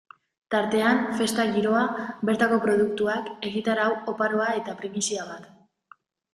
Tartean, festa giroa, bertako produktuak, egitarau oparoa eta primizia bat.